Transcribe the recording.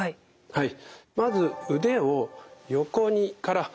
はい。